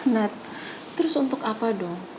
nah terus untuk apa dong